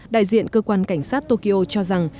đại diện cơ quan cảnh sát tokyo cho rằng